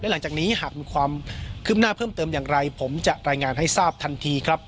หลังจากนี้หากมีความคืบหน้าเพิ่มเติมอย่างไรผมจะรายงานให้ทราบทันทีครับ